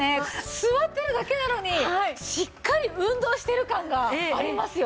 座ってるだけなのにしっかり運動してる感がありますよ。